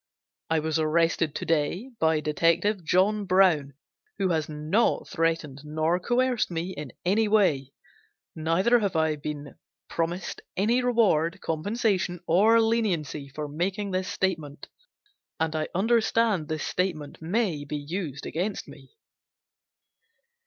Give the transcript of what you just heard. I was arrested today by Detective John Brown, who has not threatened nor coerced me in any way, neither have I been promised any reward, compensation or leniency for making this statement, and I understand this statement may be used against me."